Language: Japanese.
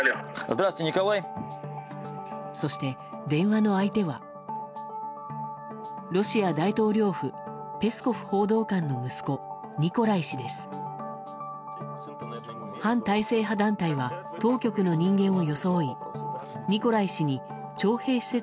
そして、電話の相手はロシア大統領府ペスコフ報道官の息子ニコライ氏です。